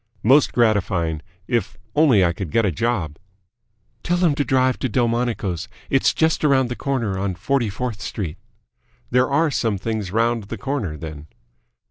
"Most gratifying, if only I could get a job." "Tell him to drive to Delmonico's. It's just around the corner on Forty fourth Street." "There are some things round the corner, then?"